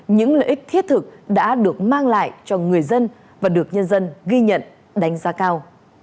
những lợi ích thiết thực đã được mang lại cho người dân và được nhân dân ghi nhận đánh giá cao